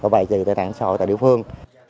bày trừ tài nạn xã hội tại địa phương